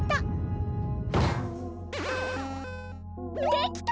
できた！